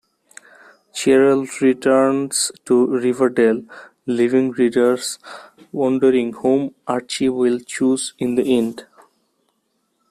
Cheryl returns to Riverdale, leaving readers wondering whom Archie will choose in the end.